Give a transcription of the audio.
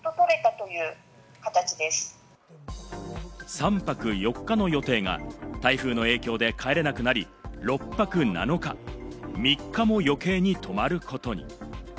３泊４日の予定が台風の影響で帰れなくなり、６泊７日、３日も余計に泊まることに。